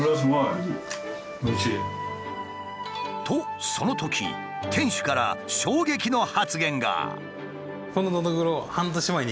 とそのとき店主から衝撃の発言が！